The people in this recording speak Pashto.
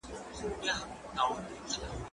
دا سپينکۍ له هغه پاکه ده!.